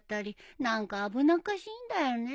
何か危なっかしいんだよね。